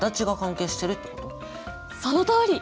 そのとおり。